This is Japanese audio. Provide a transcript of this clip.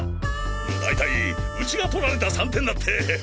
大体ウチが取られた３点だって。